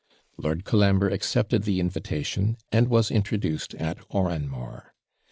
Lord Colambre accepted the invitation, and was introduced at Oranmore.